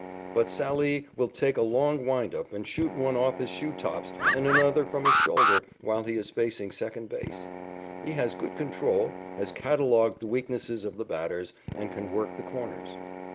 But Sallee will take a long wind up and shoot one off his shoe tops and another from his shoulder while he is facing second base. He has good control, has catalogued the weaknesses of the batters, and can work the corners.